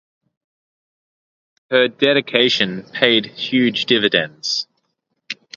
Her dedication paid huge dividends.